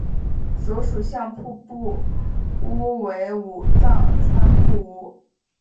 所属相扑部屋为武藏川部屋。